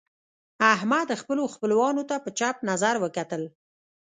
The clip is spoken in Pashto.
احمد خپلو خپلوانو ته په چپ نظر وکتل.